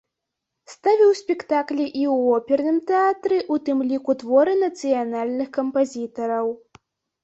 Ставіў спектаклі і ў оперным тэатры, у тым ліку творы нацыянальных кампазітараў.